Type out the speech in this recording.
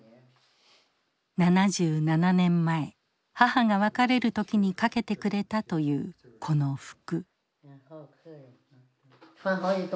７７年前母が別れる時に掛けてくれたというこの服。